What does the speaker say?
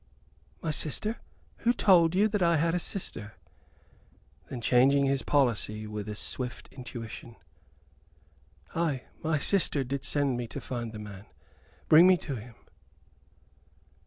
"My sister who told you that I had a sister?" Then, changing his policy with swift intuition: "Ay, my sister did send me to find the man. Bring me to him."